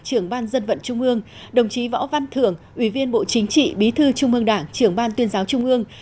trưởng ban dân vận trung ương đồng chí võ văn thưởng ủy viên bộ chính trị bí thư trung ương đảng trưởng ban tuyên giáo trung ương